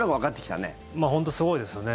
本当にすごいですよね。